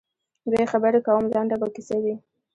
دوی خبري کوم لنډه به کیسه وي